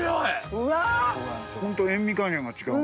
ホント塩味加減が違う。